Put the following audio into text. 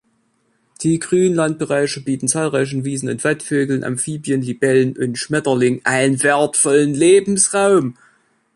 Die Grünlandbereiche bieten zahlreichen Wiesen- und Watvögeln, Amphibien, Libellen und Schmetterlingen einen wertvollen Lebensraum.